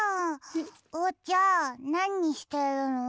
おうちゃんなにしてるの？